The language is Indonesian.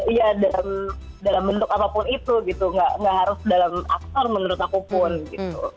iya dalam bentuk apapun itu gitu nggak harus dalam aktor menurut aku pun gitu